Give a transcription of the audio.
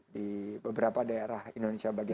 di beberapa daerah indonesia bagian